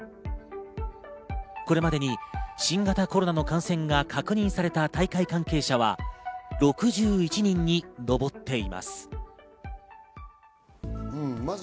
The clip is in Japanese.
これまでに新型コロナの感染が確認された大会関係者は６１人にのぼっています。